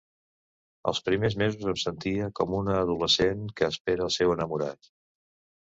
Els primers mesos em sentia com una adolescent que espera el seu enamorat.